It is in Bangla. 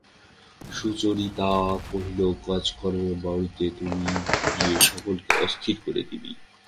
সুচরিতা কহিল, কাজকর্মের বাড়িতে তুই গিয়ে সকলকে অস্থির করে দিবি।